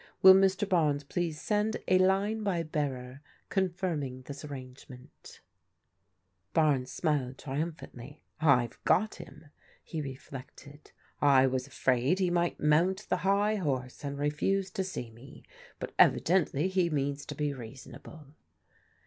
Will Mr. Barnes please send a line by bearer confirming this ar Barnes smiled triumphantly. I've got him," he re flected. "" I was afraid he might moont the high horse and refuse to see me. Bat evidendy he means to be reasonable."